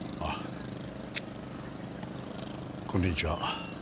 こんにちは。